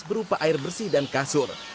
berupa air bersih dan kasur